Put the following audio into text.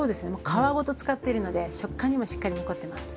皮ごと使っているので食感にもしっかり残ってます。